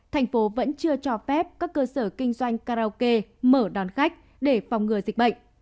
thành phố vẫn chưa cho phép các cơ sở kinh doanh karaoke mở đón khách để phòng ngừa dịch bệnh